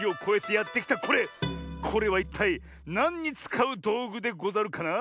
これはいったいなんにつかうどうぐでござるかな？